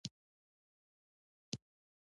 دا زموږ د ژبې نجات دی.